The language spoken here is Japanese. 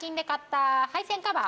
配線カバー？